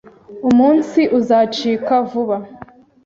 Umunsi uzacika vuba.